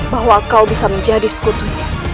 bahwa kau bisa menjadi sekutunya